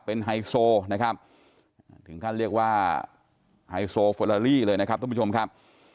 เป็นไฮโซนะครับถึงขั้นเรียกว่าไฮโซเฟอลาลี่เลยนะครับทุกผู้ชมครับ